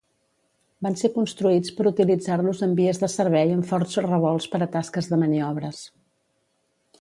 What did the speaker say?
Van ser construïts per utilitzar-los en vies de servei amb forts revolts per a tasques de maniobres.